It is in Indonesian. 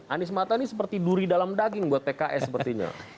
anies mata ini seperti duri dalam daging buat pks sepertinya